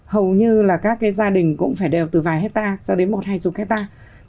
hầu như là các cái gia đình cũng phải đều từ vài hectare cho đến một hai chục hectare